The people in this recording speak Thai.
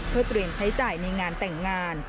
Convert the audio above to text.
เพื่อเตรียมใช้จ่ายในงานแต่งงาน